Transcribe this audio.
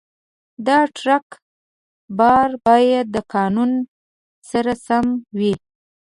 د ټرک بار باید د قانون سره سم وي.